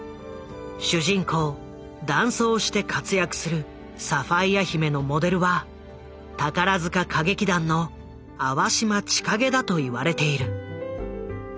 主人公男装して活躍するサファイア姫のモデルは宝塚歌劇団の淡島千景だといわれている。